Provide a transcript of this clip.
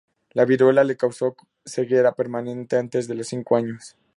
La viruela le causó ceguera permanente antes de los cinco años.